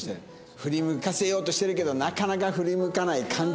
振り向かせようとしてるけどなかなか振り向かない感じ？